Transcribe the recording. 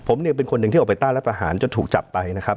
ผมเนี่ยเป็นคนหนึ่งที่ออกไปต้านรัฐประหารจนถูกจับไปนะครับ